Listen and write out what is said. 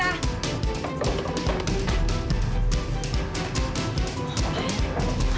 haneh sih maya